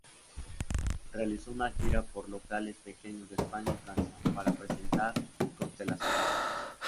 Realizó una gira por locales pequeños de España y Francia para presentar "Constelaciones...".